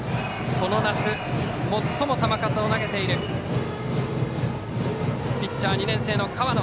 この夏、最も球数を投げているピッチャー、２年生の河野。